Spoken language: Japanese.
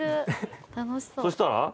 そしたら？